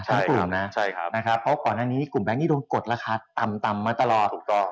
เพราะว่ากลุ่มแบงค์นี้โดนกดราคาต่ำมาตลอด